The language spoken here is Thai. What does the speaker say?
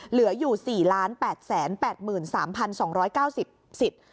เหลืออยู่๔๘๘๓๒๙๐สิทธิ์